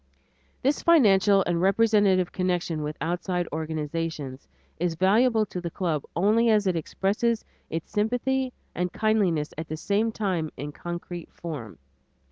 This financial and representative connection with outside organizations, is valuable to the club only as it expresses its sympathy and kindliness at the same time in concrete form.